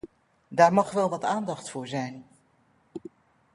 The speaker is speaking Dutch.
Daar mag wel wat aandacht voor zijn.